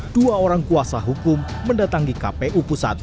dua orang kuasa hukum mendatangi kpu pusat